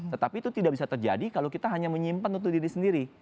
tetapi itu tidak bisa terjadi kalau kita hanya menyimpan untuk diri sendiri